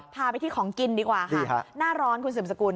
พาไปที่ของกินดีกว่าค่ะหน้าร้อนคุณสืบสกุล